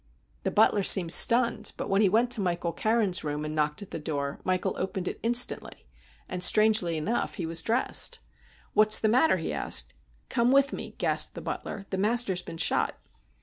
The butler seemed stunned, but he went to Michael Carron's room and knocked at the door. Michael opened it instantly, and strangely enough he was dressed. ' What's the matter ?' he asked. ' Come with me,' gasped the butler. ' The master's been shot.'